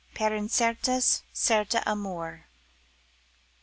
"PER INCERTAS, CERTA AMOR."